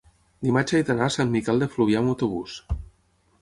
dimarts he d'anar a Sant Miquel de Fluvià amb autobús.